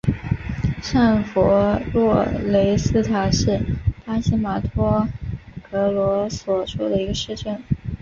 上弗洛雷斯塔是巴西马托格罗索州的一个市镇。